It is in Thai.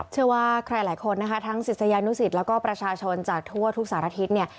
เชื่อว่าใครหลายคนนะคะทั้งศิษยานุสิตแล้วก็ประชาชนจากทั่วทุกสารทิศเนี่ย